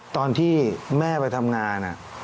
ตอนที่แม่ไปทำงาน